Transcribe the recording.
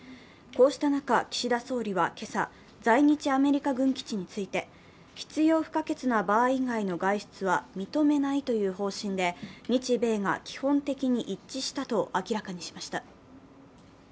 こうした中、岸田総理は今朝、在日アメリカ軍基地について、必要不可欠な場合以外の外出は認めないという方針で、日米が基本的に一致したと明らかにしました。